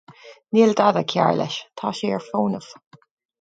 Níl dada cearr leis. Tá sé ar fónamh.